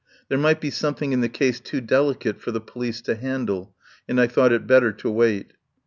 There might be some thing in the case too delicate for the police to handle, and I thought it better to wait.